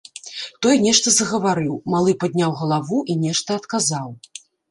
Той нешта загаварыў, малы падняў галаву і нешта адказаў.